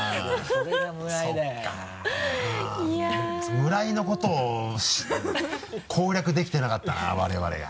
村井のことを攻略できてなかったな我々が。